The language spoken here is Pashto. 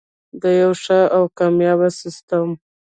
د یو ښه او کامیاب سیستم.